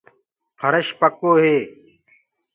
ڦرش پڪو هي۔